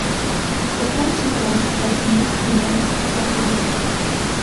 The Clan Sutherland garrisoned Inverness Castle against the Jacobites.